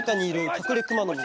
カクレクマノミ。